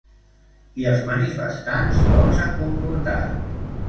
I els manifestants, com s'han comportat?